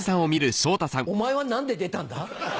お前は何で出たんだ？